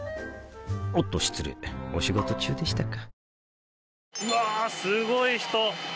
おっと失礼お仕事中でしたか